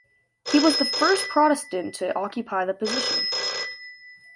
He was the first Protestant to occupy the position.